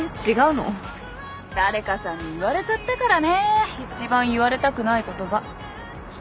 誰かさんに言われちゃったからね一番言われたくない言葉。